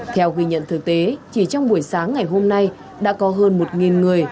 theo ghi nhận thực tế chỉ trong buổi sáng ngày hôm nay đã có hơn một người